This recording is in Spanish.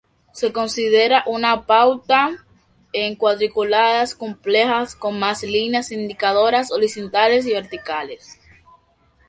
Se considera una pauta en cuadrícula compleja, con más líneas indicadoras horizontales y verticales.